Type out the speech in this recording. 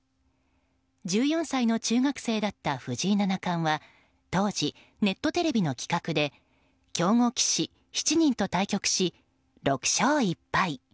１４歳の中学生だった藤井七冠は当時、ネットテレビの企画で強豪棋士７人と対局し、６勝１敗。